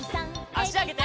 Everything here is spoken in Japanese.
あしあげて。